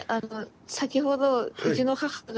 先ほどうちの母が。